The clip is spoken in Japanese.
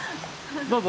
どうぞ。